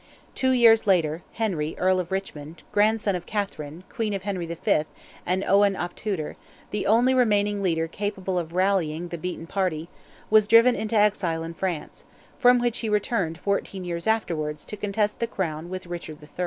Two years later, Henry, Earl of Richmond, grandson of Catherine, Queen of Henry V. and Owen Ap Tudor, the only remaining leader capable of rallying the beaten party, was driven into exile in France, from which he returned fourteen years afterwards to contest the crown with Richard III.